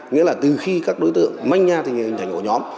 nghĩa là từ khi các đối tượng manh nha thành hình thành ổ nhóm